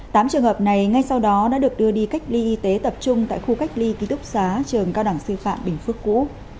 tám trường hợp này ngay sau đó đã được đưa đi cách ly y tế tập trung tại khu cách ly ký túc xá trường cao đẳng sư phạm bình phước cũ